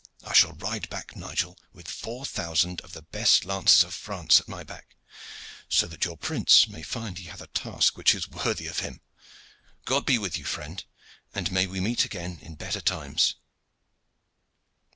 I shall ride back, Nigel, with four thousand of the best lances of France at my back, so that your prince may find he hath a task which is worthy of him. God be with you, friend, and may we meet again in better times!"